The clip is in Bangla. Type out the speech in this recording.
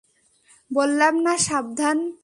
বললাম না সাবধান।